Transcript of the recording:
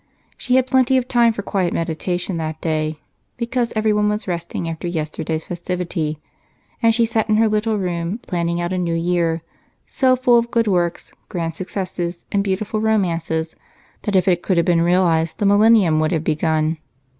She had plenty of time for quiet meditation that day because everyone was resting after yesterday's festivity, and she sat in her little room planning out a new year so full of good works, grand successes, and beautiful romances that if it could have been realized, the Millennium would have begun.